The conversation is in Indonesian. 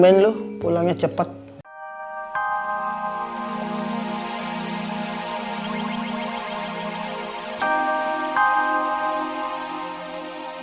banyak banget kata kata ini